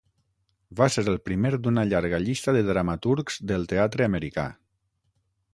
Va ser el primer d'una llarga llista de dramaturgs del teatre americà.